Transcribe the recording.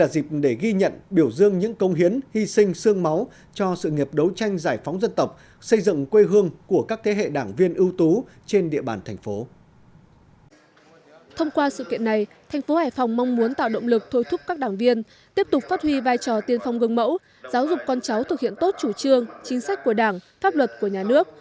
giáo dục con cháu thực hiện tốt chủ trương chính sách của đảng pháp luật của nhà nước